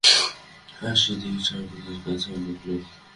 আসিয়া দেখি, স্বামীজীর কাছে অনেক লোক।